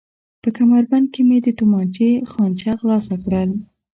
په کمربند کې مې د تومانچې خانچه خلاصه کړل.